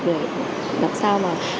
để làm sao mà